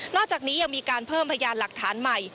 อกจากนี้ยังมีการเพิ่มพยานหลักฐานใหม่